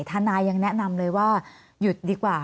ทนายยังแนะนำเลยว่าหยุดดีกว่า